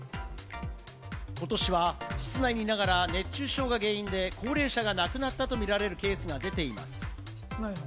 今年は室内にいながら熱中症が原因で高齢者が亡くなったとみられるケースが出ています。